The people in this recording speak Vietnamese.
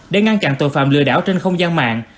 để ngăn chặn tội phạm lừa đảo trên không gian mạng